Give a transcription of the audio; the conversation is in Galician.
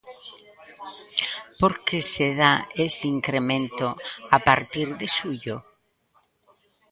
Por que se dá ese incremento a partir de xullo?